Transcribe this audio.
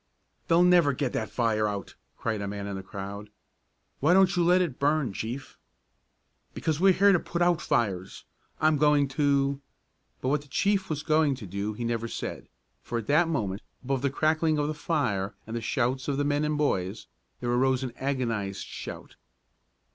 "They'll never get that fire out!" cried a man in the crowd. "Why don't you let it burn, Chief?" "Because we're here to put out fires. I'm going to " But what the chief was going to do he never said, for at that moment, above the crackling of the fire and the shouts of the men and boys, there arose an agonized shout.